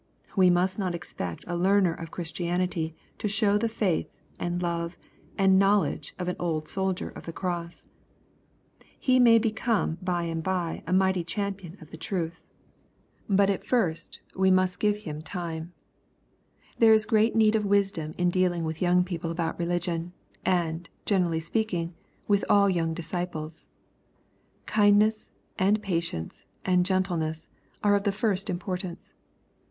We must not expect a learner of Christianity to show the faith, and love, and knowledge of an old soldier of the cross. He may become by and bye a mighty champion of the tmth. LUKEi CHAP. V. 157 Bat at first we must give him time. There is great need ] of wisdom in dealing with young people about religion, \ and, generally speaking, with all young disciples. Kind \^ ness, and patience, and gentleness, are of the first importance.